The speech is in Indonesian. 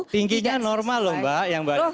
tingginya normal loh mbak yang mbak datangin